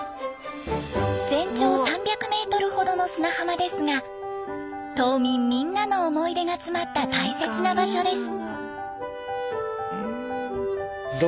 全長３００メートルほどの砂浜ですが島民みんなの思い出が詰まった大切な場所です。